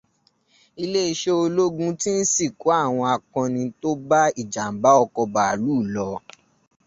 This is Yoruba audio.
Iléeṣé ológùn ti ń sìnkú àwọn akọni tó bá ìjàmbá ọkọ̀ Bàálù lọ.